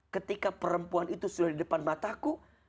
ketika perempuan itu sudah di depan mataku